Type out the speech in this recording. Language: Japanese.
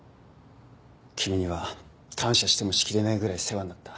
君には感謝してもしきれないぐらい世話になった。